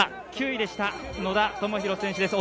９位でした、野田明宏選手です